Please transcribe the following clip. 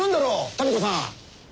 民子さん。